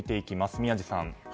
宮司さん。